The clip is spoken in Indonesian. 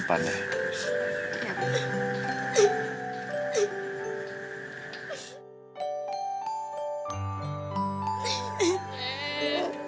apalagi kalo mw terakhircu